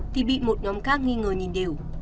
thì bị một nhóm khác nghi ngờ nhìn điều